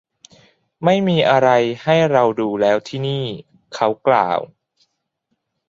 ไม่มีอะไรให้เราดูแล้วที่นี่ เขากล่าว